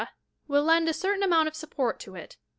will lend a certain amount of support to it.